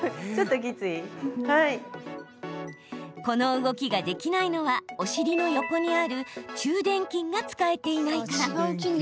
この動きができないのはお尻の横にある中でん筋が使えていないから。